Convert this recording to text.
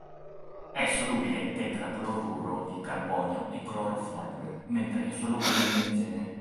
È solubile in tetracloruro di carbonio e cloroformio, mentre è insolubile in benzene.